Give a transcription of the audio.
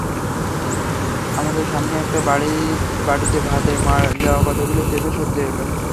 আমাদের সামনে একটা বাটিতে ভাতের মাড় দেওয়া কতগুলো পেঁপে সেদ্ধ এল।